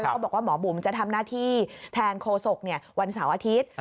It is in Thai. แล้วก็บอกว่าหมอบุ๋มจะทำหน้าที่แทนโคศกวันเสาร์อาทิตย์